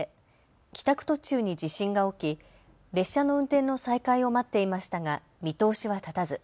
帰宅途中に地震が起き列車の運転の再開を待っていましたが見通しは立たず。